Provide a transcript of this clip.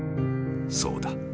そうだ！